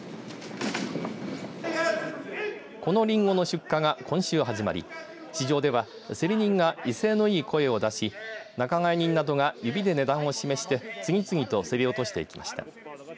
このりんごの出荷が今週始まり市場では競り人が威勢のいい声を出し仲買人などが指で値段を示して次々と競り落としていきました。